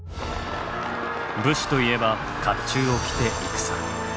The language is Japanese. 武士といえば甲冑を着て戦。